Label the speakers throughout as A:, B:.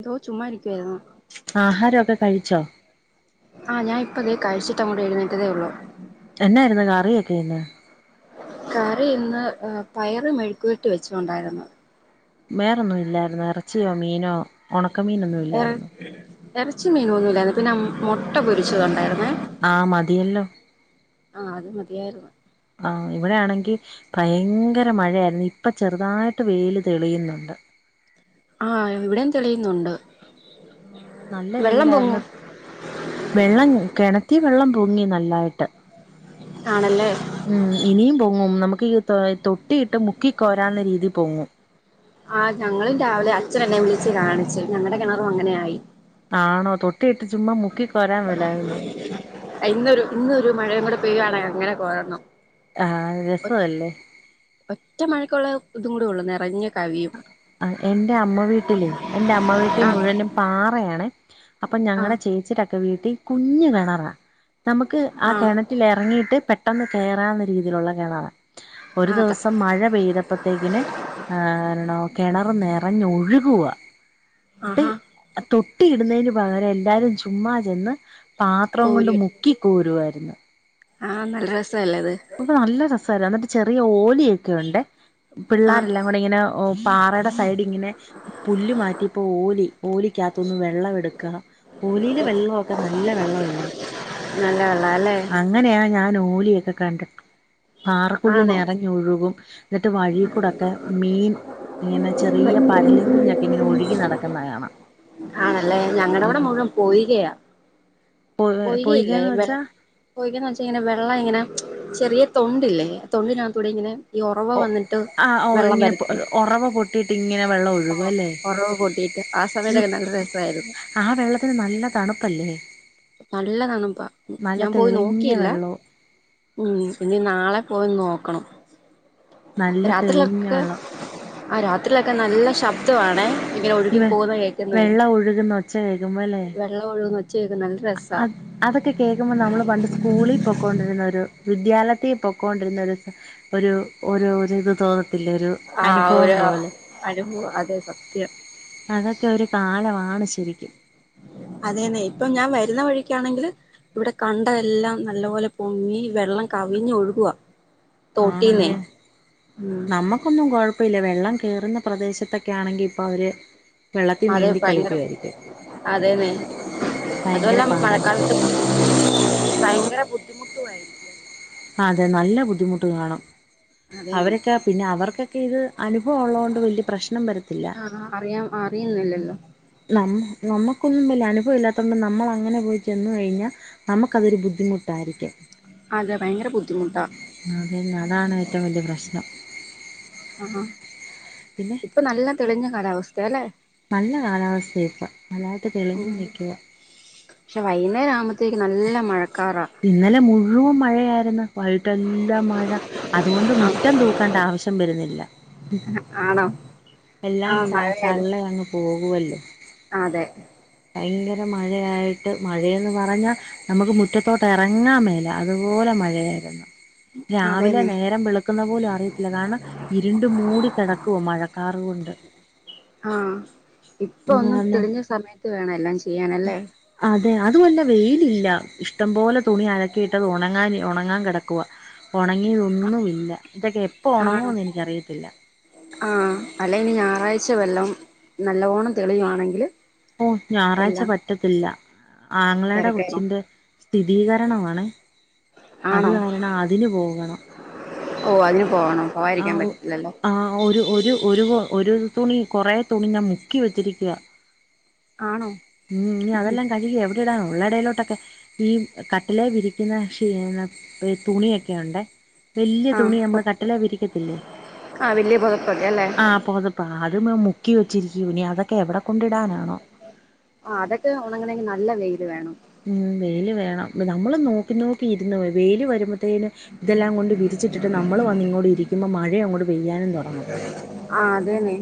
A: എന്തോ ചുമ്മാ ഇരിക്കുവായിരുന്നു
B: ആഹാരോക്കെ കഴിച്ചോ?
A: ആഹ് ഞാൻ ഇപ്പതേ കഴിച്ചിട്ട് അങ്ങോട്ട് എഴുന്നേറ്റതേ ഉള്ളൂ
B: എന്നായിരുന്നു കറിയൊക്കെ ഇന്ന്
A: കറി ഇന്ന് പയറ് മെഴുക്ക് പോരട്ടി വെച്ച്ണ്ടായിരുന്നു
B: വേറൊന്ന് ഇല്ലായിരുന്നോ ഇറച്ചിയോ മീനോ ഒണക്കമീൻ
A: എറ എറച്ചി മീനൊന്നുമില്ലായിര്ന്ന് പിന്നെ മൊട്ട പൊരിച്ചത്ണ്ടായ്രുന്നെ
B: ആഹ് മതിയല്ലോ
A: ആഹ് അത് മതിയായ്ര്ന്ന്.
B: ആഹ് ഇവിടെയാണെങ്കി ഭയങ്കര മഴയായിരുന്നു ഇപ്പം ചെറുതായിട്ട് വെയ്ല് തെളിയുന്നുണ്ട്.
A: ആഹ് ഇവിടെം തെളിയുന്നുണ്ട്.
B: ആഹ് നല്ല
A: വെള്ളം
B: വെയിലായ്ര്ന്ന
A: പൊങ്ങും
B: വെള്ളം കെണറ്റി വെള്ളം പൊങ്ങി നല്ലായിട്ട്.
A: ആണല്ലേ?
B: ഉം ഇനിയും പൊങ്ങും നമുക്ക് തൊഴ് തൊട്ടിയിട്ട് മുക്കിക്കോരാള്ള രീതി പൊങ്ങും.
A: ആഹ് ഞങ്ങളും രാവിലെ അച്ഛനെന്നെം വിളിച്ച് കാണിച്ചു ഞങ്ങടെ കെണറും അങ്ങനെ ആയി.
B: ആണോ തൊട്ടി ഇട്ട് ചുമ്മാ മുക്കി കൊരാം വേലാരുന്നോ
A: ഇന്നൊരു ഇന്നൊരു മഴയും കൂടെ പെയ്യാണെ അങ്ങനെ കോരണം.
B: ആഹ്
A: ഒ-
B: രസവല്ലേ.
A: ഒറ്റ മഴക്കുള്ള ഇതും കൂടെ ഉള്ളൂ ന്നെറഞ്ഞ് കവിയും.
B: അഹ് എൻറെ അമ്മ വീട്ടിലേ എന്റെ അമ്മ വീട്ടി
A: ആ
B: മുഴുവനും പാറയാണെ. അപ്പം
A: ആ
B: ഞങ്ങടെ ചേച്ചിടൊക്കെ വീട്ടി കുഞ്ഞ് കെണറാ നമുക്ക് ആ കെണ റ്റിലെറങ്ങിയിട്ട് പെട്ടെന്ന് കേറാള്ള രീതീലുള്ള കെണറ ഒരു
A: ആ അതാ
B: ദിവസം മഴ പെയ്ത പ്പത്തേക്കിന് ഏഹ് കെണറ് ന്നെറഞ്ഞൊഴുകുവ ട്ടി
A: ആഹാ
B: തൊട്ടി ഇടുന്നേന് പകരം എല്ലാരും ചുമ്മാ ചെന്ന് പാത്രം
A: കോരി
B: കൊണ്ട് മുക്കിക്കോരുവാര്ന്ന്.
A: ആഹ് നല്ല രസല്ലേ അത്.
B: അപ്പൊ നല്ല രസായിരുന്നു അന്നിട്ട് ചെറിയ ഓലിയൊക്കെ ഉണ്ട്
A: ആഹ്
B: പിള്ളേരെല്ലാം കൂടിയിങ്ങനെ പാറെടെ സൈഡിങ്ങനെ പുല്ല് മാറ്റിപ്പോ ഓലി ഓലിക്കകത്തൊന്ന് വെള്ളം എടുക്ക ഓലീലെ വെള്ളവൊക്കെ നല്ല വെള്ളവല്ലേ
A: നല്ല വെള്ളാല്ലേ
B: അങ്ങനെയാ ഞാന് ഓലിയൊക്കെ കണ്ടിട്ട് പാറക്കുഴി
A: ആണോ
B: ന്നെറഞ്ഞൊഴുകും. ന്നിട്ട് വഴിക്കൂടൊക്കെ മീൻ ഇങ്ങനെ ചെറിയ പരലും കുഞ്ഞൊക്കെങ്ങിനെ ഒഴുകി നടക്കുന്നകാണ.
A: ആണല്ലേ ഞങ്ങടവിടെ മുഴുവം പോയികയാ പൊയ്കയില്ലേ
B: പൊയ്കന്ന്
A: വെ
B: വെച്ചാ
A: പൊയ്കേന്നെച്ചിങ്ങനെ വെള്ളം ഇങ്ങനെ ചെറിയ തൊണ്ടില്ലേ ആ തൊണ്ടിനകത്തൂടെ ഇങ്ങനെ ഈ ഒ
B: ഒഹ് ആഹ് ഒഴുങ്ങ്യപൊ ഒറവ പൊട്ടീട്ട്ങ്ങനെ വെള്ളം ഒഴുകും അല്ലേ?
A: ഒറവ് പൊട്ടീട്ട് ആ സമയത്തൊക്കെ നല്ല രസായിരുന്നു.
B: ആ വെള്ളത്തിന് നല്ല തണുപ്പല്ലേ?
A: നല്ലതണുപ്പ
B: നല്ല
A: ഞാം പോയി
B: തെളിഞ്ഞ
A: നോക്കിയില്ല.
B: വെള്ളവും
A: ഉം ഇനി നാളെ പോയി നോക്കണം.
B: നല്ല തെളിഞ്ഞ
A: രാത്രിയിലൊക്കെ
B: വെള്ളം
A: അഹ് രാത്രിയിലൊക്കെ നല്ല ശബ്ദവാണേ ഇങ്ങനെ ഒഴുകി
B: ഇവ
A: പോകുന്ന കേക്കുന്നെ
B: വെള്ളം ഒഴുകുന്ന ഒച്ച
A: വെള്ളം ഒഴുക്കുന്നെച്ചകേക്ക്ന്നെ
B: അ അത് അതൊക്കെ കേക്കുമ്പം നമ്മൾ പണ്ട് സ്കൂളിൽ പൊക്കൊണ്ടിരുന്നൊരു വിദ്യാലയത്തീ പൊക്കൊണ്ടിരുന്നൊരു ഒരു ഒരൂരിത് തോന്നത്തില്ലെരു
A: ആഹ് ഒരു അനുഭൂവ് അതെ സത്യം
B: അതൊക്കെ ഒരു കാലവാണ് ശെരിക്കും
A: അതേന്നെ ഇപ്പം ഞാം വരുന്ന വഴിക്കാണെങ്കില് ഇവിടെ കണ്ട എല്ലാം നല്ലപോലെ പൊങ്ങി വെള്ളം കവിഞ് ഒഴുകുവ തോട്ടീന്നെ ഉം
B: പ്പൊന്നും കുഴപ്പേല്ല വെള്ളം കേറുന്ന പ്രദേശത്തൊക്ക്യാണെങ്കി ഇപ്പൊ അവര് വെള്ളത്തിൽ
A: അത്
B: നീന്തി
A: ഭയങ്കരം
B: കളിക്കുവായിരിക്കും
A: അതേന്നെ അത്
B: ഭയങ്കര
A: വല്ല
B: പാടായിരിക്കും
A: മഴക്കാലത്ത് ഭയങ്കര ബുദ്ധിമുട്ടുവായിരിക്കും. വെല്ലം
B: ആഹ് അതെ നല്ല ബുദ്ധിമുട്ട് കാണും
A: അതേന്നെ
B: അവരക്കെ പിന്നെ അവർക്കൊക്കെ ഇത് അനുഭവം മുള്ളത് കൊണ്ട് വലിയ പ്രശ്നം വരത്തില്ല
A: ആഹ് അറിയ അറിയുന്നില്ലല്ലോ
B: നം നമ്മുക്കൊന്നും വല്യ അനുഭവ ഇല്ലാതോണ്ട് നമ്മൾ അങ്ങനെ പോയി ചെന്ന് കഴിഞ്ഞാ നമക്ക് അതൊരു ബുദ്ധിമുട്ടായിരിക്കും
A: അതെ ഭയങ്കര ബുദ്ധിമുട്ടാ
B: അതന്നെ അതാണ് ഏറ്റവും വല്യ പ്രശ്നം
A: ആഹ്
B: പിന്നെ
A: ഇപ്പൊ നല്ല തെളിഞ്ഞ കാല വസ്ഥ അല്ലേ
B: നല്ല കാലാവസ്ഥ ഇപ്പോ നല്ലായിട്ട് തെളിഞ്ഞ് നിൽക്ക
A: പക്ഷേ വൈകുന്നേരം ആകുമ്പഴത്തേക്ക് നല്ല മഴക്കാറാ
B: ഇന്നലെ മുഴുവൻ മഴയായിരുന്നു വൈകിട്ടെല്ലാം മഴ അതുകൊണ്ട് മുറ്റം
A: ആഹ്
B: തൂക്കേണ്ട ആവശ്യം വരുന്നില്ല
A: ആണോ
B: എല്ലാം
A: ആഹ്
B: ച്ച
A: മഴയായത്
B: ചള്ള അങ്ങ് പോകുവല്ലോ
A: അതെ
B: ഭയങ്കര മഴയായിട്ട് മഴയന്ന് പറഞ്ഞാ നമുക്ക് മു റ്റത്തോട്ട് ഇറങ്ങാൻ മേല അതുപോലെ മഴയായിരുന്നു രാവിലെ
A: അതേന്നെ
B: നേരം വെളു ക്കുന്ന പോലും അറിയത്തില്ല കാരണം ഇരുണ്ട് മൂടി കിടക്കുവ മഴക്കാറു കൊണ്ട്
A: ആഹ് ഇപ്പൊ ഒന്ന്
B: ആന്ന്
A: തെളിഞ്ഞ സമയത്ത് വേണം എല്ലാം ചെയ്യാനല്ലേ
B: അതെ അതുമല്ലെ വെയിലില്ല ഇഷ് ടം പോലെ തുണി അലക്കിയിട്ടത് ഉണങ്ങാൻ ഉണങ്ങാൻ കിടക്കുവാ ഉണങ്ങിയു ഒന്നുമില്ല ഇതൊക്കെ എപ്പ
A: ആണോ
B: ഉണങ്ങുമന്ന് എനിക്കറിയത്തില്ല
A: ആഹ് അല്ല ഇനി ഞായറാഴ്ച വല്ലോം നല്ലോണം തെളിയുവാണെങ്കില്
B: ഓഹ് ഞായറാഴ്ച
A: എല്ലാം
B: പറ റ്റത്തില്ല ആങ്ങളുടെ
A: തിരക്കേറും
B: കൊച്ചിന്റെ സ്ഥിതീകരണ മാണ് അത് കാരണം അതിന് പോകണം
A: ഓഹ് അതിന് പോവണം
B: ആഹ് ആഹ് ഒരു ഒരു ഒരു ഒരു തുണി കുറെ തുണി ഞാൻ മുക്കി വെച്ചിരിക്കുവാ
A: ആണോ
B: ഉം ഇനി അതെല്ലാം കഴുകി എവിടെടാന ഉള്ളടയിലോട്ടൊക്കെ ഈ കട്ടിലെ വിരിക്കുന്ന ഷീ തുണിയൊക്കെയുണ്ട് വല്ല്യ
A: ആഹ്
B: തുണി നമ്മള് കട്ടില വിരി
A: ആഹ് വല്ല്യ പുതപക്കെ അല്ലേ
B: ആഹ് പുതുപ്പോ അത് മുക്കി വെച്ചിരിക്കുനേ അതൊക്കെ എവിടെ കൊണ്ടിടാനാണോ
A: ആഹ് അതൊക്കെ ഉണങ്ങണമെങ്കിൽ നല്ല വെയിൽ വേണം
B: ഉം വെയില് വേണം നമ്മള് നോക്കി നോക്കി ഇരുന്ന് വെയില് വരുമ്പോത്തേന് ഇതെല്ലാം കൊണ്ട് വിരിച്ചിട്ടിട്ട് നമ്മള് വന്ന് ഇങ്ങോട് ഇരിക്കുമ്പോ മഴയും അങ്ങോട്ട് പെയ്യാനും തുടങ്ങും
A: ആഹ് അതന്നെ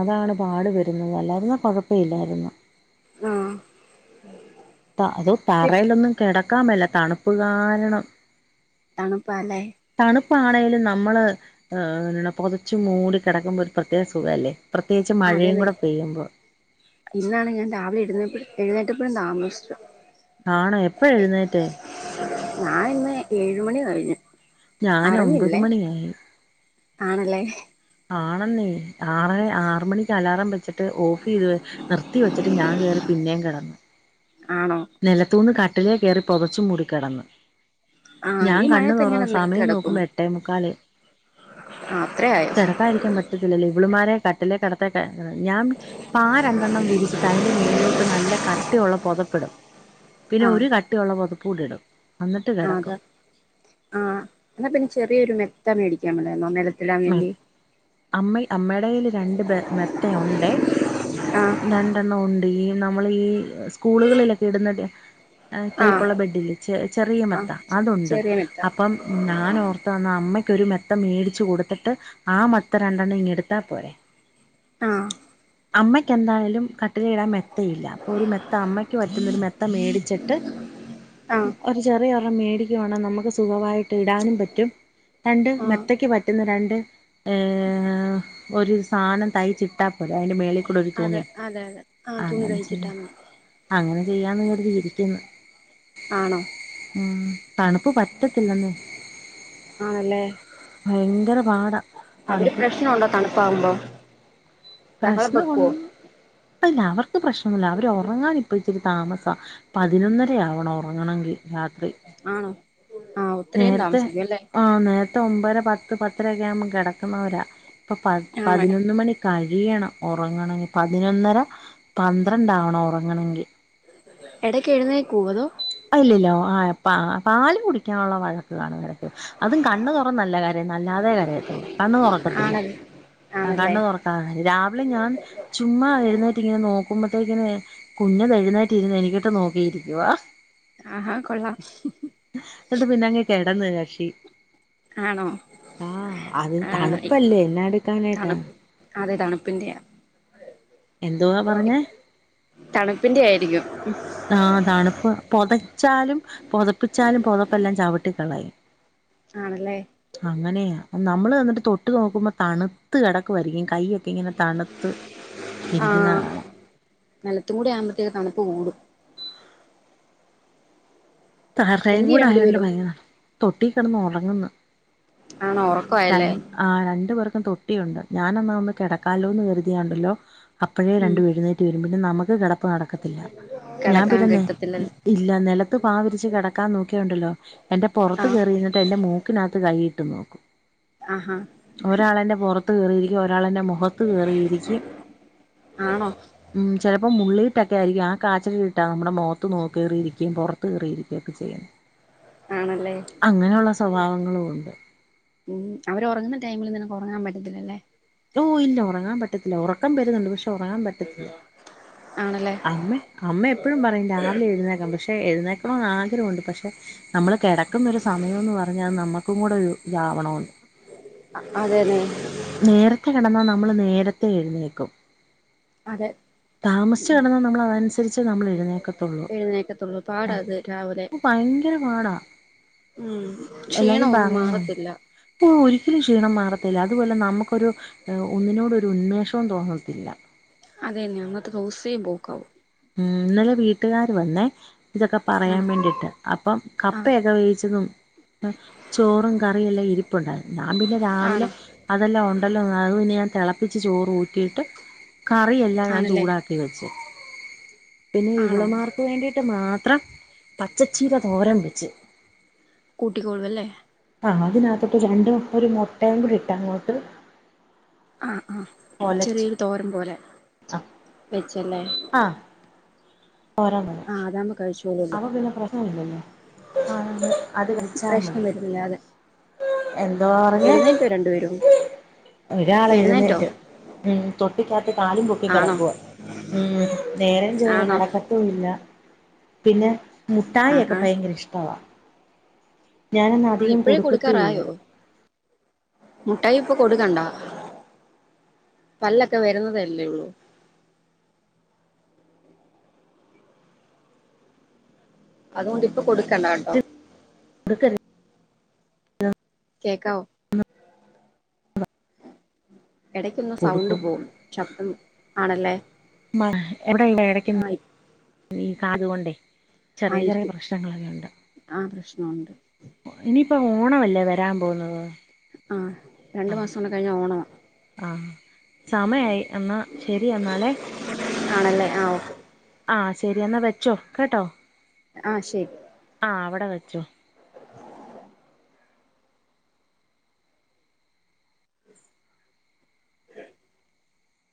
B: അതാണ് പാടു വരുന്നത് അല്ലായിരുന്ന കുഴപ്പ ഇല്ലായിരുന്നു
A: ആഹ്
B: ത അതോ തറയിലൊന്നും കിടക്കാമല്ല തണുപ്പ് കാരണം
A: തണുപ്പാല്ലേ
B: തണുപ്പാണെകിലും നമ്മള് ഏഹ് പൊതച്ചു മൂടി കിടക്കുമ്പോ ഒരു പ്രത്യേക സുഖാല്ലേ പ്രത്യേകിച്ച് മഴയും
A: അതേന്നെ
B: കൂടെ പെയ്യുമ്പോ
A: ഇന്നാണ് ഞാൻ രാവിലെ എഴുന്നേപ്പ എഴുന്നേറ്റപ്പഴം താമസിച്ചു.
B: ആണ്. എപ്പഴ എഴുന്നേറ്റെ.
A: ഞാനിന്ന് ഏഴുമണി കഴിഞ്ഞു.
B: ഞാൻ ഒമ്പത്
A: അറിഞ്ഞില്ലെ.
B: മണിയായി
A: ആണല്ലെ.
B: ആണെന്നേ. ആറെ ആറ് മണിക്ക് അലാറം വെച്ചിട്ട് ഓഫ് ചെയ്ത് നിർത്തി വെച്ചിട്ട് ഞാൻ കേറി പിന്നേ കെടന്നു.
A: ആണോ.
B: നെലത്തൂന്ന് കട്ടിലേ കേറി പൊതച്ചും മൂടിക്കെടന്നു.
A: ആ ഈ
B: ഞാൻ കണ്ണ്
A: മഴയത്ത് എങ്ങനെ
B: തുറന്ന്
A: നിലത്ത്
B: സമയം
A: കിടക്കും
B: നോക്കുമ്പോ എട്ടേ മുക്കാല്
A: ആ അത്രയായോ
B: കെട. ക്കായിരിക്കാൻ പറ്റത്തില്ലല്ലോ. ഇവളിമാരെ കട്ടിലെ കെടത്തെട്ടെ ഞാൻ. പാ രണ്ടെണ്ണം വിരിച്ചിട്ട് അതിന്റെ മേലിലോട്ട് നല്ല കട്ടിയുള്ള പൊതപ്പിടും. പിന്നെ
A: ആ
B: ഒരു കട്ടിയുള്ള പൊതപ്പൂടി ഇടും. അന്നിട്ട് കെടക്കും.
A: ആഹ്. എന്നാ പിന്നെ ചെറിയൊരു മെത്ത മേടിക്കാ മേലായിര്ന്നോ നെല.
B: മെ അമ്മ അമ്മയുടെ കയ്യിൽ രണ്ട് മെത്ത ഉണ്ട്െ.
A: ആ
B: രണ്ട്. രണ്ടണ്ണം ഉണ്ട്. ഈ നമ്മൾ ഈ സ്കൂളുകളിലൊക്കെ ഇടുന്ന. ഏഹ്
A: ആ
B: ടൈപ്പുള്ള ബെഡില്ലെ. ചെ ചെറിയ
A: ആ
B: മത്ത അതുണ്ട്
A: ചെറിയ മെത്ത
B: അപ്പം. ഞാനോർത്തന്ന. അമ്മയ്ക്കൊരു മെത്ത മേടിച്ച് കൊടു. ത്തിട്ട് ആ മെത്ത രണ്ടെണ്ണം ഇങ്ങ് എടുത്താ പോരെ.
A: ആഹ്.
B: അമ്മയ്ക്കന്തായാലും കട്ടിലിൽ ഇടാൻ മെത്തയില്ല. അപ്പോ ഒരു മെത്ത അമ്മയ്ക്ക് പറ്റുന്നൊരു മെത്ത മേടിച്ചിട്ട്.
A: [inaudible]
B: ഒരു ചെറിയൊരണം മേടിക്കുവാണേ നമുക്ക് സുഖവായിട്ട് ഇടാനും പറ്റും. രണ്ട്
A: ആ
B: മെത്തയ്ക്ക് പറ്റ. റ്റുന്ന രണ്ട് ഏഹ് ഒരു സാനം തയ്ച്ചിട്ടാൽ പോരെ അയ്ന്റെ മേളിൽ കൂ. കൂടെ ഒരു
A: അതെ
B: തുണി
A: അതെ അതെ ആ തുണി
B: അങ്ങനെ ചെയ്യ.
A: തയ്ച്ചിട്ടാ മതി
B: അങ്ങനെ ചെയ്യാന്ന് കര്തി ഇരിക്കുന്ന്
A: ആണോ
B: ഉം. തണുപ്പ് പറ്റത്തില്ലെന്നെ.
A: ആണല്ലേ.
B: ഭയങ്കര പാടാ.
A: അവര്
B: തണുപ്പ്
A: പ്രശ്ന ഉണ്ടോ തണുപ്പാവുമ്പം..
B: പ്രശ്ന ഒണ്ട്. അല്ല അവർക്ക് പ്രശ്നൊന്നുല്ല അവർ ഒറങ്ങാൻ ഇപ്പ ഇച്ചിരി താമസ. പതിനൊന്നര ആവണം ഒറങ്ങണെങ്കിൽ രാത്രി.
A: ആണൊ. ആഹ് ഒത്തരി നേരം
B: നേരത്തെ
A: താമസിക്കും. അല്ലേ.
B: ആഹ് നേരത്തെ ഒമ്പര പത്ത്, പത്തരൊക്കെ, ആകുമ്പ കെടക്കുന്നവരാ. ഇപ്പ പ
A: ആണോ
B: പതിനൊന്ന് മണിക്കഴ്. യണം ഒറങ്ങണങ്കി പതിനൊന്നര പന്ത്രണ്ടാവണം ഒറങ്ങണെങ്കിൽ.
A: എടയ്ക്ക് എഴുന്നേക്കോ അതോ.
B: ഇല്ലല്ല. ആഹ് പാല് കുടിക്കാനുള്ള വഴക്ക് കാണും. എടയ്ക്ക് അതും കണ് തുറന്നല്ല ക. ല്ലാതെ കരയത്തൊള്ളു. കണ്ണ് തൊറക്കത്തില്ല.
A: ആണൽ ആണല്ലേ
B: കണ്ണ് തൊ. ആഹ് രാവിലെ ഞാൻ ചുമ്മാ എഴുന്നേറ്റ് ഇങ്ങനെ നോക്കുമ്പോത്തേക്ക്ന്. കുഞ്ഞത് എഴുന്നേറ്റിരുന്ന് എനിക്കിട്ട് നോക്കിയിരിക്കുവ.
A: ആഹാ കൊള്ളാം.
B: ഇന്നട്ട് പിന്നെങ്ങ് കെടന്ന് കക്ഷി.
A: ആണോ?
B: ആഹ്. അതും
A: ആ
B: തണുപ്പല്ലേ എന്നാ എടുക്കാനായിട്ടാ.
A: തണു അതെ തണുപ്പിന്റെയാ.
B: എന്തുവാ പറഞ്ഞേ
A: തണുപ്പിന്റെ ആയിരിക്കും.
B: ആഹ് തണുപ്പ്. പൊതച്ചാലും പൊതപ്പിച്ചാലും പുതപ്പെല്ലാം ചവിട്ടിക്കളയും
A: ആണല്ലേ
B: അങ്ങനെയാ നമ്മള് എന്നിട്ട് തൊട്ട് നോക്കുമ്പോ തണുത്ത് കെടക്കുവായിരിക്കും കയ്യ്. ക്കെ ഇങ്ങനെ തണുത്ത് ഇരിക്കുന്ന കാണാം.
A: നെലത്തും കൂടെ ആകുമ്പത്തേക്ക് തണുപ്പ് കൂടും.
B: തറയും
A: എന്തിയെ
B: കൂടെ ആയോണ്ട്
A: രണ്ടുപേരും
B: ഭയങ്കര തണുപ്പ് തൊട്ടി കെടന്ന് ഒറങ്ങുന്ന്.
A: ആണോ ഒറക്കവായല്ലേ.
B: ആഹ് രണ്ടു പേർക്കും തൊട്ടിയുണ്ട്. ഞാനൊന്ന് എന്നാ കെടക്കാലോന്ന് കരുതിയാണ്ടല്ലോ. അപ്പഴേ
A: ഉം
B: രണ്ടും എഴുന്നേറ്റ് വരും. പിന്നെ നമുക്ക് കിടപ്പ് നടക്കത്തില്ല ഞാൻ
A: കിടക്കാൻ
B: പിന്നെ നെ.
A: കിട്ടത്തില്ലല്ലോ
B: ഇല്ല നിലത്ത് പാവിരിച്ച് കിടക്കാൻ നോക്കിയായുണ്ടല്ലോ എന്റെ പൊറത്ത്
A: ആഹ്
B: കേറിരിന്നിട്ട് എന്റെ മൂ ക്കിനാത്ത് കൈയിട്ട് നോക്കും
A: ആഹാ
B: ഒരാളെന്റെ പുറത്ത് കേറിയിരിക്കും ഒരാളെന്റെ മുഖത്ത് കേറിയിരിക്കും
A: ആണോ
B: ഉം ചിലപ്പോം മുള്ളിയിട്ടൊക്കെ ആയിരിക്കും ആഹ് കാച്ചര ഇട്ടാ നമ്മുടെ മുഖത്ത് നോ കേറിയിരിക്കുകയും പുറത്ത് കേറിയിരി ക്കുവൊക്കെ ചെയ്യുന്നെ
A: ആണല്ലേ
B: അങ്ങനെയുള്ള സ്വഭാവങ്ങളും ഉണ്ട്
A: ഉം അവര് ഉറങ്ങുന്ന ടൈമില് നിനക്ക് ഉറങ്ങാൻ പറ്റത്തില്ലല്ലേ
B: ഓ ഇല്ല ഉറങ്ങാൻ പറ്റത്തില്ല ഉറക്കം വരുന്നുണ്ട് പക്ഷെ ഉറങ്ങാൻ പറ്റത്തില്ല
A: ആണല്ലേ
B: അമ്മേ അമ്മ എപ്പോഴും പറയും രാവിലെ എഴുന്നേക്കാം പക്ഷെ എഴുന്നേക്കണോന്ന് ആഗ്രഹമുണ്ട് പക്ഷെ നമ്മള് കിടക്കുന്നൊരു സമയമെന്ന് പറഞ്ഞാൽ അത് നമുക്കും കൂടെ ഒരു ഇതാവണമല്ലോ
A: അതെ അതെ
B: നേരത്തെ കിടന്നാൽ നമ്മള് നേരത്തെ എഴുന്നേക്കും
A: അതെ
B: താമസിച്ചു കിടന്നാ നമ്മള് അതനുസരിച്ചേ നമ്മള് എഴുന്നേക്കത്തുള്ളൂ
A: എഴുന്നേക്കത്തുള്ളൂ
B: ആഹ്
A: പാടാത് രാവിലെ
B: ഭയങ്കര പാടാ
A: ഉം ക്ഷീണം
B: എല്ലാരും
A: ഒന്നും
B: പറയുന്നുണ്ട്
A: മാറത്തില്ല
B: ഓ ഒരിക്കലും ക്ഷീണം മാറത്തില്ല അതുപോലെ നമുക്കൊരു ഒന്നിനോടും ഒരു ഉന്മേഷവും തോന്നത്തില്ല
A: അതന്നെ അന്നത്തെ ദിവസവേ പോക്കാവും
B: ഉം ഇന്നലെ വീട്ടുകാര് വന്നേ ഇതൊക്കെ പറയാൻ
A: ആണോ
B: വേണ്ടിയിട്ട് അപ്പം
A: ആഹ്
B: കപ്പയൊക്കെ വേവിച്ചതും ചോറും കറിയും എല്ലാം ഇരിപ്പുണ്ടായിരുന്നു ഞാൻ പിന്നെ രാവിലെ
A: ആണോ
B: അതെല്ലാം ഉണ്ടല്ലോ അത് പിന്നെ ഞാൻ തിളപ്പിച്ച് ചോറ് ഊറ്റിയിട്ട് കറിയെല്ലാം ഞാൻ
A: ആണല്ലേ
B: ചൂടാക്കി തികച്ച് പിന്നെ
A: ആണോ
B: ഇവളുമാർക്ക് വേണ്ടിയിട്ട് മാത്രം പച്ചച്ചീര തോരൻ വെച്ചു
A: കൂട്ടിക്കൊളുവല്ലേ
B: ആഹ് അതിനകത്തിട്ട് രണ്ടും ഒരു മുട്ടയും കൂടി ഇട്ട് അങ്ങോട്ട്
A: ആഹ് ആഹ്
B: ഒലച്ച്
A: ചെറിയൊരു തോരം പോലെ
B: ആ
A: വെച്ചല്ലേ
B: ആ [unintelligible]
A: ആഹ് അതാവുമ്പോ കഴിച്ചോളൂവോ
B: അവൻ പിന്നെ പ്രശ്നം ഒന്നും ഇല്ലല്ലോ അത് കഴിച്ചാ
A: പ്രശ്നം വരുന്നില്ല അതെ
B: എന്തുവാ പറഞ്ഞേ
A: എഴുന്നേറ്റോ രണ്ടുപേരും
B: ഒരാള്
A: എഴുന്നേറ്റോ
B: എഴുന്നേറ്റു ഉം തൊട്ടിക്കകത്ത് കാലും പൊക്കി
A: ആണോ
B: കിടക്കുവ ഉം നേരം ചൊവ്വെ
A: ആണോ
B: കെടക്ക ത്തു ഇല്ല പിന്നെ മുഠായി ഒക്കെ
A: ആഹാ
B: ഭയങ്കര ഇഷ്ടവാ ഞാനൊന്നും
A: ആണ്
B: അധികം
A: ഇപ്പഴേ
B: കൊടുക്കത്തുമില്ല
A: കൊടുക്കാറായോ മുട്ടായി ഇപ്പൊ കൊട്കണ്ടാ പല്ലൊക്കെ വെര്ന്നതല്ലേള്ളൂ അതുകൊണ്ട് ഇപ്പൊ കൊടുക്കണ്ട കെട്ടോ
B: കൊട്ക്കര്
A: കേക്കാവോ എടയ്ക്കൊന്ന് സൗണ്ട്
B: കൊടുക്കും
A: പോവ്ന്ന് ശബ്ദം ആണല്ലേ
B: മ്മ എവടെ ഇള്ളെ എടക്ക്
A: ആഹ്
B: ഈ കാത്കൊണ്ടേ ചെറിയ ചെറിയ
A: ആയിരിക്കും
B: പ്രശ്നങ്ങളൊക്കെയുണ്ട്
A: ആ പ്രശ്നമുണ്ട്
B: ഒഹ് ഇനിയിപ്പ ഓണവല്ലേ വരാം പോക്ന്നത്
A: ആഹ് രണ്ട് മാസം കൂടെ കഴിഞ്ഞാ ഓണമാ
B: ആഹ് സമയായി എന്നാ ശെരി എന്നാലേ
A: ആണല്ലേ ആ ഓക്കെ
B: ആഹ് ശെരി എന്നാ വെച്ചോ കെട്ടോ
A: ആഹ് ശരി
B: ആഹ് അവടെ വെച്ചോ
A: ഉ